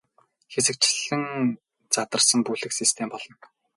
Хэсэгчлэн задарсан бүлэг систем болно.